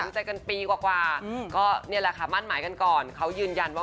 ที่เขากำลังได้รู้ปีกว่า